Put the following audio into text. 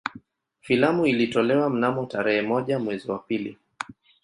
Filamu ilitolewa mnamo tarehe moja mwezi wa pili